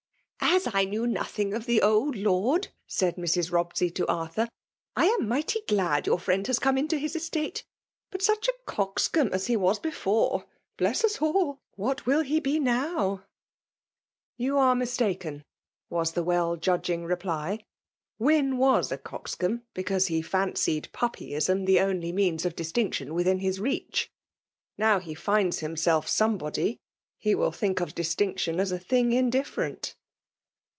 *' As I knew nothing of the old Lord/^ said Mrs. Robsey to Arthur, " I am mighty glad your friend has come to his estate. But such a coxcomb as he was before, — bless as all !— what will he be now ?"'' You are mistaken/' was the well judging reply. "Wyn was a coxcomb, because he fancied puppyism the only means of distinc .FEMALE JMMinATVOV. 99 tkm mthin his teach ;— ^itow he finds himselC. somebody, he will tinnk of distinetioB as a thing indifferent.''